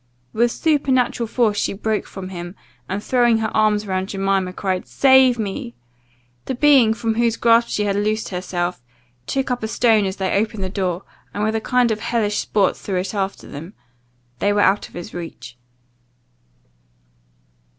With supernatural force she broke from him, and, throwing her arms round Jemima, cried, "Save me!" The being, from whose grasp she had loosed herself, took up a stone as they opened the door, and with a kind of hellish sport threw it after them. They were out of his reach.